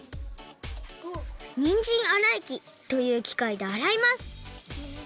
「にんじんあらいき」というきかいであらいます